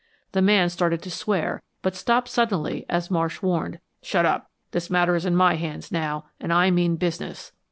The man started to swear, but stopped suddenly as Marsh warned, "Shut up. This matter is in my hands now, and I mean business!"